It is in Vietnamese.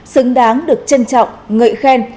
xứng đáng được trân trọng ngợi khen